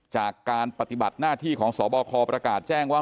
จากการปฏิบัติหน้าที่ของสบคประกาศแจ้งว่า